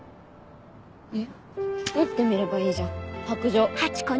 えっ？持ってみればいいじゃん白杖。